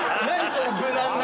その無難な。